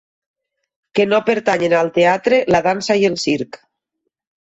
Que no pertanyen al teatre, la dansa i el circ.